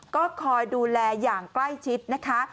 ก็คอยดูแลอย่างใกล้ชิดนะคะ